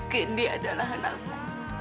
kendi adalah anakku